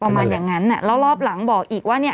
ประมาณอย่างนั้นแล้วรอบหลังบอกอีกว่าเนี่ย